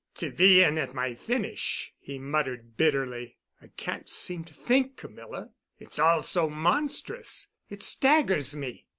"To be in at my finish," he muttered bitterly. "I can't seem to think, Camilla. It's all so monstrous—it staggers me."